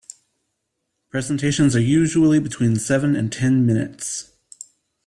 Presentations are usually between seven and ten minutes.